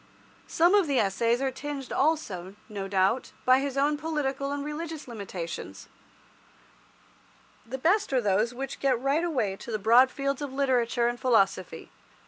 Some of the Essays are tinged also, no doubt, by his own political and religious limitations. The best are those which get right away into the broad fields of literature and philosophy.